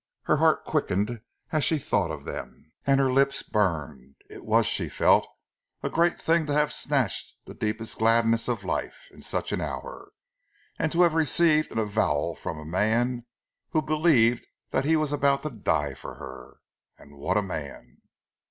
Her heart quickened as she thought of them, and her lips burned. It was, she felt, a great thing to have snatched the deepest gladness of life in such an hour, and to have received an avowal from a man who believed that he was about to die for her. And what a man!